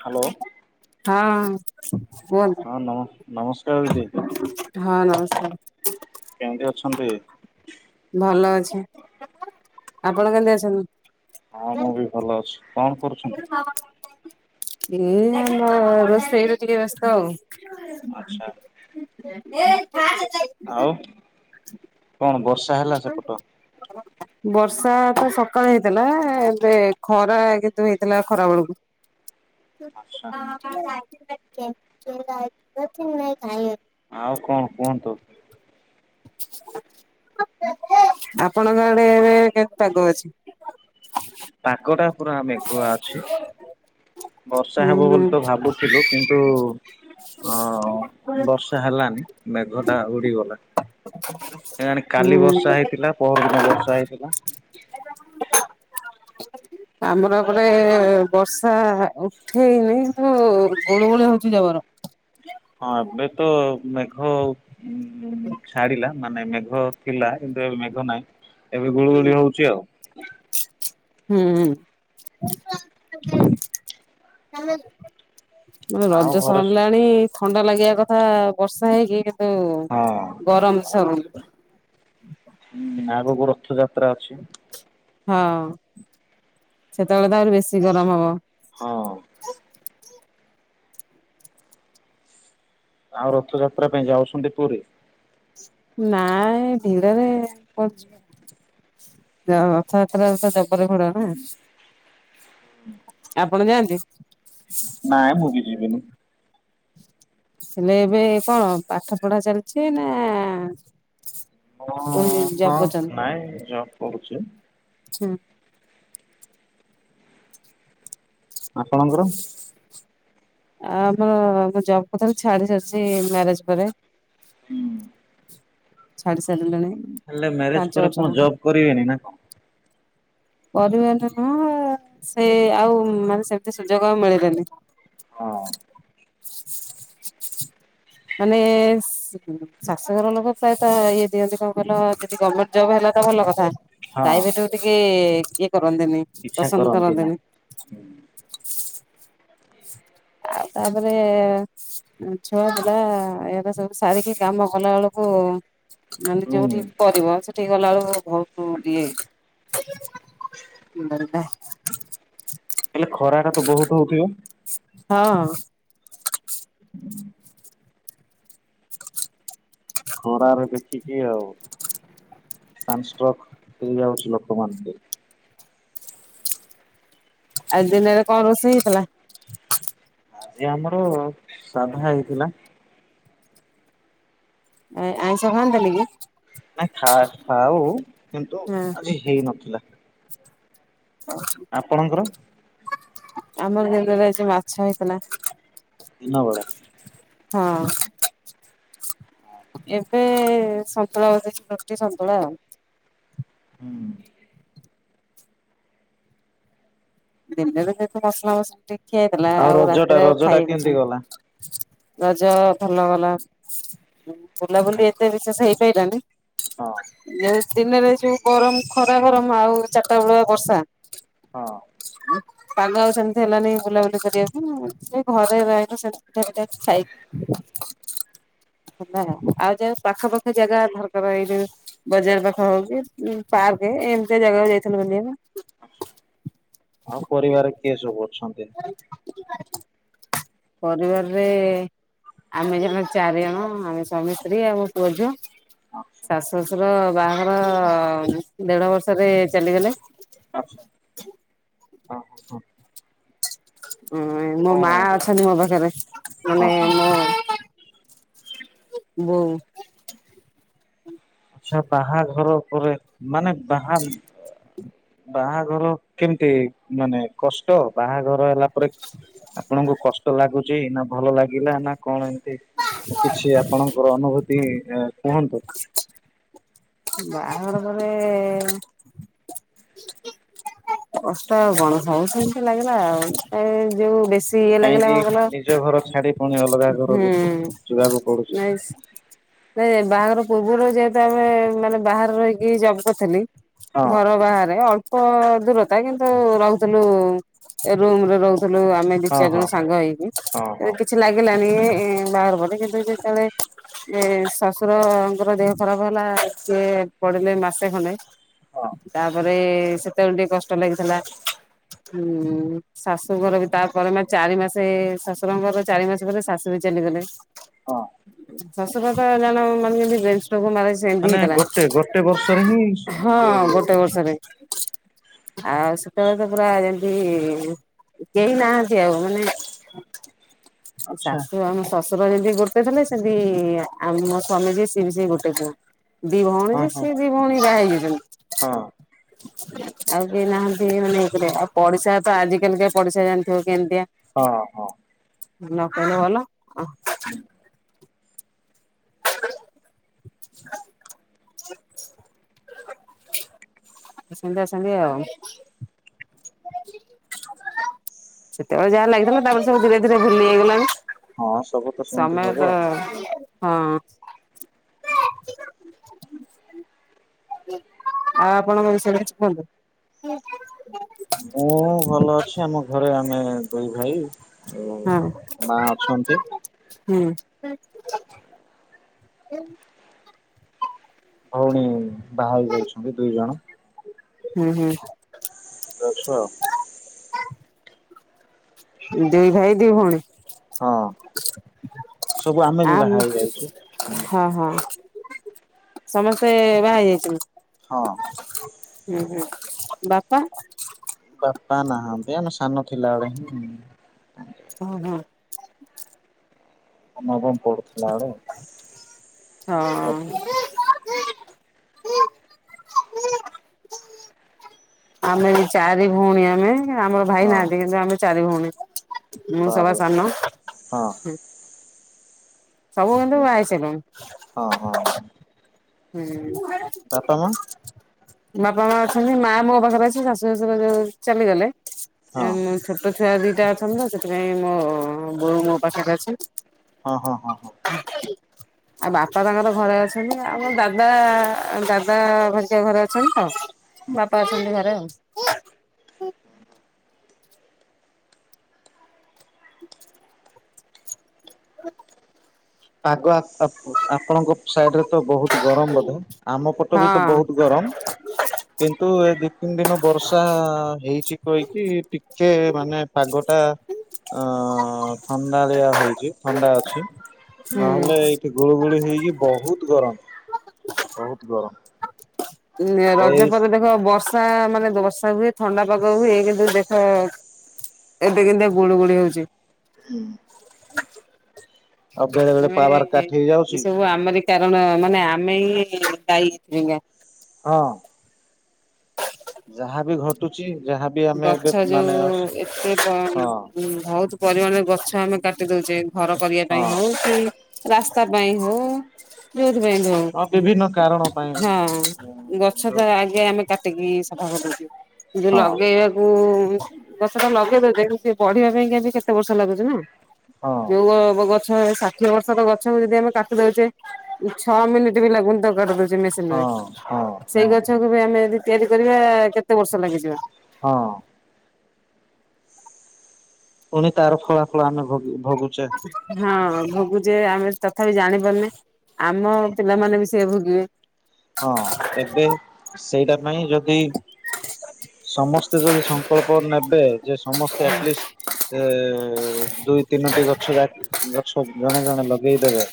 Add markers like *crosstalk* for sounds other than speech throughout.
Hello ହଁ କୁହ ହଁ ନମ ନମସ୍କାରେ ଦିଦି। ହଁ ନମସ୍କାରେ। କେମିତି ଅଛନ୍ତି? ଭଲ ଅଛି ଆପଣ କେମିତି ଅଛନ୍ତି? ହଁ ମୁଁବି ଭଲ ଅଛି କଣ କରୁଛନ୍ତି? ଏଇ ଆମ ରୋଷେଇରେ ଟିକେ ବ୍ୟସ୍ତ ଆଉ। ଆଚ୍ଛା ଏ *unintelligible* ଆଉ କଣ ବଷ *unintelligible* *inaudible* ବର୍ଷାତ ସକାଳେ ହେଇଥିଲା ଏବେ ଖରା କିନ୍ତୁ ହେଇଥିଲା ଖରା ବେଳକୁ। *inaudible* ଆଚ୍ଛା *unintelligible* ଆଉ କଣ କୁହନ୍ତୁ? ଆପଣଙ୍କ ଆଡେ ଏବେ କେତେ ପାଗ ଅଛି? ପାଗଟା ପୁରା ମେଘୁଆ ଅଛି ବର୍ଷା ହୁଁ ହେବ ହୁଁ ବୋଲିତ ଭାବୁ ଥିଲୁ କିନ୍ତୁ ଅ- ବର୍ଷା ହେଲାନି ମେଘ ଟା ଉଡିଗଲା। କେଜାଣି କାଲି ବର୍ଷା ହୁଁ। ହେଇଥିଲା ପଅର ଦିନ ବର୍ଷା ହେଇଥିଲା। *inaudible* ଆମର ଏପଟେ ବର୍ଷା ଉଠେଇନି କିନ୍ତୁ ଗୁଳୁଗୁଳି ହଉଚି ଜବର। ହଁ ଏବେ ତ ମେଘ ଉ- ଛାଡିଲା ମାନେ ମେଘ ଥିଲା କିନ୍ତୁ ଏବେ ମେଘ ନାହିଁ ଏବେ ହୁଁ ଗୁଳୁଗୁଳି ହଉଚି ଆଉ। ହୁଁ-। ଆଉ ରଜ ଘରେ ସରିଲାଣି ଥଣ୍ଡା ଲାଗିବା କଥା ବର୍ଷା ହେଇକି ହଁ। ଗରମ୍ ସରୁନି ଯମା ହୁଁ- ଆଗକୁ ରଥଯାତ୍ରା ଅଛି। ହଁ ସେତେବେଳେ ତ ଆହୁରି ବେଶୀ ଗରମ୍ ହବ। ହଁ। ଆଉ ରଥଯାତ୍ରା ପାଇଁ ଯାଉଚନ୍ତି ପୁରୀ? ନାଇଁ ଭିଡରେ କୁଆଡେ ଯିବା। *unintelligible* ରଥଯାତ୍ରାକୁ ତ ଜବର ଭଡ ନା। ଆପଣ ଯାଆନ୍ତି? ନାଇଁ ମୁଁ ବି ଯିବିନି। ହେଲେ ଏବେ କଣ ପାଠ ପଢା ଚାଲିଚି ନା ହଁ କୋଉଠି ଜବ୍ -ହଁ କରୁଛନ୍ତି? ନାଇଁ ଜବ୍ କରୁଚି। *inaudible* ଆପଣଙ୍କର? ଆ- ବୁ-ମୁଁ ଜବ୍ କରୁଥିଲି ଛାଡି ସାରିଚି ମ୍ୟାରେଜ୍ ପରେ। ହୁଁ। ଛାଡି ସାରିଲିଣି। ହେଲେ ମ୍ୟାରେଜ୍ ପାଞ୍ଚ ପରେ ବର୍ଷ କଣ ଜବ୍ କରିବେନି ନା କଣ? କରିବା ଟା ନୁହଁ ସେ ଆଉ ମାନେ ସେମିତି ସୁଯୋଗ ଆଉ ମିଳିଲାନି। ହଁ। ମାନେ ସ୍ ଶାଶୁଘର ଲୋକ ପ୍ରାୟତ ଇଏ ଦିଅନ୍ତି କଣ କହିଲ ଯଦି ଗମେଣ୍ଟ୍ ଜବ୍ ହେଲା ତ ଭଲ କଥା। ହଁ ପ୍ରାଇଭେଟ୍ କୁ ଟିକେ ଇଏ କରନ୍ତିନି ଇଚ୍ଛା ପସନ୍ଦ୍ କରନ୍ତି ନା। କରନ୍ତିନି। ଆଉ ତାପରେ ଛୁଆ ପିଲା ଇଆଡ଼େ ସବୁ ସାରିକି କାମ କଲା ବଳକୁ *unintelligible* ଯଉଠିକି କରିବ ସେଠିକି ଗଲା ବେଳକୁ ବହୁତୁ ଇଏ। *unintelligible* ହେଲେ ଖରା ଟା ତ ବହୁତ୍ ହଉଥିବ? ହଁ। ଖରାରେ ଦେଖିକି ଆଉ ସାନଷ୍ଟୋକ୍ ହେଇଯାଉଚି ଲୋକମାନଙ୍କୁ। ଆଜି ଦିନରେ କଣ ରୋଷେଇ ହେଇଥିଲା? ଆଜି ଆମର ସାଧା ହେଇଥିଲା ଏଁ-ଆଇଁଷ ଖାଆନ୍ତିନି କି? ନାଇ ଖା -ଖାଉ କିନ୍ତୁ ଆଜି ହେଇନଥିଲା। ଆପଣଙ୍କର? ଆମର ଦିନରେ ଆଜି ମାଛ ହେଇଥିଲା। ଦିନ ବଳା? ହଁ- ଏ ସନ୍ତୁଳା ବସେଇଚି ରୁଟି ସନ୍ତୁଳା ଆଉ। ହୁଁ ଦିନରେ ଯେହେତୁ ମସଲା ମସିଲି ଟିକେ ଖିଆହେଇଥିଲା ଆଉ ରଜ ଟା ରାତିରେ ଆଉ ରଜ ଟା କେମିତି ଖାଇବକୁ ଗଲା? ଇଚ୍ଛା ରଜ ଭଲ ଗଲା ବୁଲାବୁଲି ଏତେ ବିଶେଷେ ହେଇପାଇଲାନି ହଁ। ଏ ଦିନରେ ଯଉ ଗରମ୍ ଖରା ଗରମ୍ ଆଉ ଚାରିଟା ବଳ ବର୍ଷା ହଁ। ପାଗ ଆଉ ସେମିତି ହେଲାନି ବୁଲାବୁଲି କରିବାକୁ। *unintelligible* ହେଲା ଆଉ ଯା ପାଖପାଖ ଜାଗା ର୍ଫରଦର ଏଇ ଯୋଉ ବଜାର ପାଖ ହଉ କି ପାର୍କ ଏମିତି ଜାଗାକୁ ଯାଇଥିଲୁ ବୁଲିବାକୁ। ଆଉ ପରିବାର କିଏ ସବୁ ଅଛନ୍ତି। ପରିବାରରେ ଆମେ ଜଣେ ଚାରି ଜଣ ଆମେ ସ୍ୱାମୀ ସ୍ତ୍ରୀ ଆଉ ପୁଅଝିଅ। *inaudible* ଶାଶୁ ଶଶୁର ବାହାଘର ଦେଢ ବର୍ଷରେ ଚାଲିଗଲେ। ଆ ହଁ ଏଇ ମୋ କଣ ମା ଏବେ ଅଛନ୍ତି ମୋ ପାଖରେ ହଁ ମାନେ ହଁ ମୋ ବୋଉ। ଆଛା ବାହାଘର ପରେ ମାନେ ବାହା ବାହାଘର କେମିତି ମାନେ କଷ୍ଟ ବାହାଘର ହେଲା ପରେ ଆପଣଙ୍କୁ କଷ୍ଟ ଲାଗୁଛି ନା ଭଲ ଲାଗିଲା ନା କଣ ଏ କିଛି ଆପଣଙ୍କର ଅନୁଭୂତି ଇ କୁହନ୍ତୁ। ବାହାଘର ପରେ କଷ୍ଟ ଆଉ କଣ ସବୁ ସେମତି ଲାଗିଲା ଆଉ ଏ ଯୋଉ ବେଶୀ ତି ଇଏ ଲାଗିଲା କାହିଁକି କଣ ନିଜ ଘର କହିଲ ଛାଡି ପୁଣି ଅଲଗା ହୁଁ ଘରକୁ ଯିବାକୁ ପଡୁଛି ନାଇ ସ *inaudible* ନାଇ ବାହାଘର ପୂର୍ବରୁ ଯେହେତୁ ଆମେ ମାନେ ବାହାରେ ରହିକି ଜବ କରିଥିଲି ହଁ ଘର ବାହାରେ ଅଳ୍ପ ଦୂର ତା କିନ୍ତୁ ରହୁଥିଲୁ ଏ ରୁମ ରେ ରହୁଥିଲୁ ଆମେ ଦି ହଁ ଚାରି ହଁ ଜଣ ସାଙ୍ଗ ହେଇକି। ହଁ ହଁ ଏ କିଛି ଲାଗିଲାନି ଏ ଏ ବାହାଘର ପରେ କିନ୍ତୁ ଯେତେବେଳେ ଏ ଶଶୁରଙ୍କର ଦେହ ଖରାପ ହେଲା ସିଏ ପଡିଲେ ମାସେ ଖଣ୍ଡେ ହଁ। ତାପରେ ସେତେବେଳେ ଟିକେ କଷ୍ଟ ଲାଗିଥିଲା ହୁଁ। ଶାଶୁଙ୍କର ବି ତାପରେ ମା ଚାରି ମାସେ ଶଶୁରଙ୍କର ଚାରି ମାସେ ପରେ ଶାଶୁ ବି ଚାଲିଗଲେ। ହଁ। ଶଶୁର ତ ଜାଣ ମାନେ ଯେମିତି ବେନ୍ ଷ୍ଟ୍ରୋକ ମାରେ ସେ ମତି ମାନେ ଗୋଟେ ଗୋଟେ ବର୍ଷରେ ହିଁ ହେଇଥିଲା ହଁ ଇଏ ହୁଏ। ଗୋଟେ ବର୍ଷରେ। ଆଉ ସେତେବେଳେ ତ ପୁରା ଯେମତି କେହି ନାହାନ୍ତି ଆଉ ମାନେ ଏ ଆଚ୍ଛା ଶାଶୁ ଆଉ ମୋ ଶଶୁ ର ଯେମିତି ଗୋଟେ ଥିଲେ ସେମତି ଆ ମୋ ସ୍ବାମୀ ଯିଏ ସିଏ ବି ସେଇ ଗୋଟେ ପୁଅ। ଦି ଭଉଣୀ ହଁ ଯେ ହଁ ସେ ଦି ଭଉଣୀ ବାହା ହେଇ ଯାଇଚନ୍ତି। ହଁ ଆଉ କେହି ନାହାନ୍ତି ମାନେ ଇଏ କରିବା ଆଉ ପଡିଶା ତ ଆଜିକାଲିିକା ପଡିଶା ଜାଣିଥିବ କେମତିଆ। ହଁ ହଁ। ନ କହିଲେ ଭଲ। *inaudible* *inaudible* ଆ ସେମିତି ଅଛନ୍ତି ଆଉ। ସେତେବେଳେ ଯାହା ଲାଗିଥିଲା ତାପରେ ସବୁ ଧୀରେ ଧୀରେ ଭୁଲି ହେଇଗଲାଣି। ହଁ ସବୁ ତ ସେମିତି ସମୟ ହବ ତ ହଁ। ଆଉ ଆପଣଙ୍କ ବିଷୟରେ କିଛି କୁହନ୍ତୁ। ମୁଁ ଭଲ ଅଛି ଆମ ଘରେ ଆମେ ଦୁଇ ଭାଇ ଆଉ ହଁ। ମା ଅଛନ୍ତି ହୁଁ। *inaudible* ଭଉଣୀ ବାହା ହେଇ ଯାଇଛନ୍ତି ଦୁଇ ଜଣ। ହୁଁ ହୁଁ। ଲ ଅଛୁ ଆଉ। ଦୁଇ ଭାଇ ଦି ଭଉଣୀ। ହଁ ସବୁ ଆମେ ବି ଆମ୍, ବାହା ହେଇଯାଇଛୁ ହୁଁ ହଁ ହଁ। ସମସ୍ତେ ବାହା ହେଇ ଯାଇଚନ୍ତି? ହଁ। ଉଁ ହୁଁ ବାପା? ବାପା ନାହାନ୍ତି ଆମେ ସାନ ଥିଲା ବେଳେ ହୁଁ। ଓହୋ। ତମର କଣ ପଡୁଥିଲା ଆଡେ ହଁ। *unintelligible* ଆମେ ଏ ଚାରି ଭଉଣୀ ଆମେ ଆମର ଭାଇ ହଁ ନାହାନ୍ତି। କିନ୍ତୁ ଆମେ ଚାରି ଭଉଣୀ। ମୁଁ ସବା ବାପରେ ସାନ। ହଁ। ସବୁ କିନ୍ତୁ ବହାହେଇ ସାଇଲୁଣି। ହଁ ହଁ।। ହୁଁ। ବାପା ମାଆ। ବାପା ମା ଅଛନ୍ତି ମା ମୋ ପାଖରେ ଅଛି, ଶାଶୁ ଶାଶୁର ଯୋଉ ଚାଲିଗଲେ। ହଁ ଛୋଟ ଛୁଆ ଦିଟା ଅଛନ୍ତି ତ ସେଥିପାଇଁ ମୋ ବୋଉ ମୋ ପାଖରେ ଅଛି। ହଁ ହଁ ହଁ ହଁ। ଆଉ ବାପା ତାଙ୍କର ଘରେ ଅଛନ୍ତି ଆଉ। ଆମ ଦାଦା ଦାଦା ଭସିଆ ଘରେ ଅଛନ୍ତି ତ ବାପା ଅଛନ୍ତି ଘରେ ଆଉ। *unintelligible* ପାଗ ଆପ୍ ଆପଣଙ୍କ ସାଇଡ ରେ ତ ବହୁତ ଗରମ ବୋଧେ ଆମ ପଟ ବି ତ ହଁ ବହୁତ ଗରମ। କିନ୍ତୁ ଏ ଦି ତିନି ଦିନ ବର୍ଷା ହେଇଛି। କହିକି ଟିକେ ମାନେ ପାଗଟା ଅଁ ଥଣ୍ଡାଳିଆ ହେଇଛି ଥଣ୍ଡା ଅଛି। ହୁଁ ନହେଲେ ଏଇକି ଗୁଳୁ ଗୁଳି ହେଇକି ବହୁତ୍ ଗରମ ବହୁତ୍ ଗରମ। ରଜ ଏଇ ପରେ ଦେଖ ବର୍ଷା ମାନେ ବର୍ଷା ହୁଏ ଥଣ୍ଡା ପାଗ ହୁଏ, କିନ୍ତୁ ଦେଖ ହଁ। ଏବେ କେମତିଆ ଗୁଳୁ ଗୁଳି ହଉଛି। ହୁଁ। ବେଳେ ତମେ ପାୱାର ଇଏ କାଟ ହେଇଯାଉଛି ସବୁ ଆମରି କାରଣ ମାନେ ଆମେ ହିଁ ଦାୟୀ ଏଇ ଖାଁ। ହଁ। ଯାହା ବି ଘଟୁଛି ଯାହା ଗଛ ଯୋଉ ଏତେ କମ୍ ବହୁତ ପରିମାଣରେ ଗଛ ଆମେ କାଟି ଦଉଛେ। ଘର କରିବା ପାଇଁ ହଁ ହଉ କି ରାସ୍ତା ପାଇଁ ହଉ ଯଉଥିପାଇଁ ହଉ, ହଁ ବିଭିନ୍ନ କାରଣ ପାଇଁ ହଁ ଗଛ ତ ଯୋଉ ଆଗେ ଆମେ କାଟି କାଟି କି ସଫା କରି ଦଉଚୁ ଯୋଉ ହଁ ଲ ଗେଇଆକୁ ଗଛଟା ଲଗେଇ ଦଉଚେ, କିନ୍ତୁ ସେ ବଢିବା ପାଇଁ କେତେ ବର୍ଷ ଲାଗୁଛି ନା। ହଁ ଯୋଉ ଅ ଗ ଗଛ ଷାଠିଏ ବର୍ଷ ତ ଗଛକୁ ଯଦି ଆମେ କାଟି ଦଉଛେ ଛଅ ମିନିଟ୍ ବି ଲାଗୁନି ତା କୁ କାଟି ଦଉ ମେସିନ ହଁ ରେ ହଁ ସେଇ ହଁ ହଁ ଗଛକୁ ବି ଆମେ ଯଦି ତିଆରି କରିବା କେତେ ବର୍ଷ ଲାଗିଯିବ। ହଁ। ପୁଣି ତାର ଫଳା ଫଳ ଆମେ ଭୋଗୁଚେ। ହଁ, ଭୋଗୁଛେ ଆମେ ତଥାପି ଜାଣିପାରୁନେ ଆମ ପିଲାମାନେ ବି ସେୟା ଭୋଗିବେ। ହଁ, ଏବେ ସେଇଟା ପାଇଁ ଯ ଦି ସମସ୍ତେ ଯଦି ସଂକଳ୍ପ ନେବେ ଯେ ସମସ୍ତେ ଆଟଲିଷ୍ଟ ଏ ଦୁଇ ତିନଟି ଗଛ ଯା ଗଛ ଜଣେ ଜଣେ ଲଗେଇଦେବେ।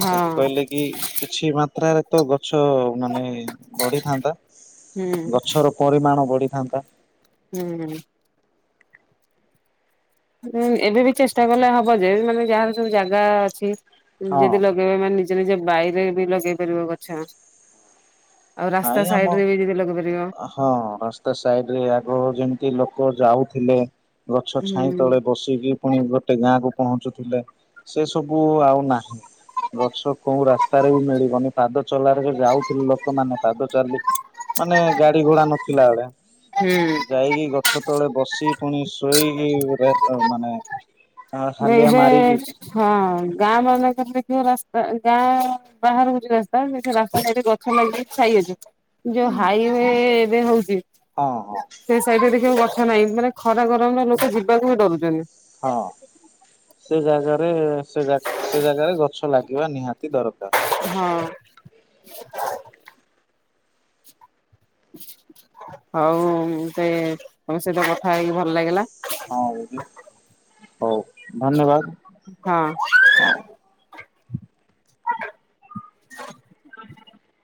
ହଁ କହିଲେ କି କିଛି ମାତ୍ରାରେ ତ ଗଛ ମାନେ ବଢିଥାନ୍ତା ହୁଁ ଗଛର ପରିମାଣ ବଢିଥାନ୍ତା। ହୁଁ। ହୁଁ, ଏବେ ବି ଚେଷ୍ଟା କଲେ ହବ ଯେ ମାନେ ଯାହାର ସବୁ ଜାଗା ଅଛି ହଁ ଯଦି ବା ଲଗେଇ ବା ମାନେ ନିଜ ନିଜ ବାରିରେ ବି ଲଗେଇ ପାରିବ ଗଛ। ଆଉ ରାସ୍ତା ନାଇଁ ଆମ ସାଇଟରେ ବି ଯଦି ଲଗେଇ ପାରିବ। ହଁ, ରାସ୍ତା ସାଇଟରେ ଆଗ ଯେମିତି ଲୋକ ଯାଉଥିଲେ। ଗଛ ଛାଇ ହୁଁ। ତଳେ ବସିକି। ପୁଣି ଗୋଟେ ଗାଁକୁ ପହଞ୍ଚୁ ଥିଲେ ସେ ସବୁ ଆଉ ନାହିଁ। ଗଛ କୋଉ ରାସ୍ତାରେ ବି ମିଳିବନି ପାଦ ଚଲାରେ ଯାଉଥିଲେ ଲୋକମାନେ ପାଦ ଚାଲି ମାନେ ଗାଡି ଘୋଡା ନ ଥିଲା ବେଳେ ହୁଁ। ଯାଇକି ଗଛ ତଳେ ବସି ପୁଣି ଶୋଇକି ରେଷ୍ଟ ନବ ମାନେ ହା ହାଲିଆ ଏବେ ମାରିକି ହଁ, ଗାଁ ମାନଙ୍କରେ ଦେଖିବ ରାସ୍ତା ଗାଁ ବାହାରକୁ ଯୋଉ ରାସ୍ତା ସେଠି ରାସ୍ତା ସାଇଟ୍ ରେ ଗଛ ଲାଗି ଛାଇ ଅଛି। ଯୋଉ ହାଇୱେ ଏବେ ହଉଛି। ହଁ। ହଁ ସେ ସାଇଡରେ ଦେଖିବାକୁ ଗଛ ନାହିଁ, ମାନେ ଖରା ଗରମରେ ଲୋକ ଯିବାକୁ ବି ଡରୁଛନ୍ତି। ହଁ ସେ ଜାଗାରେ ସେ ସେ ଜାଗାରେ ଗଛ ଲାଗ ହୁଏ ନିହାତି ଦରକାର। ହଁ। ହଉ ମତେ ତମ ସହିତ କଥା ହେଇକି ଭଲ ଲାଗିଲା। ହଁ, ହଉ ଧନ୍ୟବାଦ୍। ହଁ। *unintelligible*